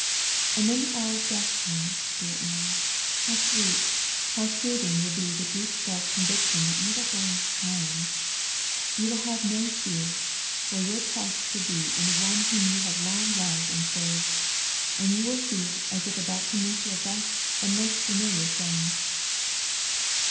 And when the hour of death comes, dear Ann, how sweet, how soothing will be the deep felt conviction that you are going home! You will have no fears, for your trust will be in One whom you have long loved and served; and you will feel as if about to meet your best, and most familiar friend."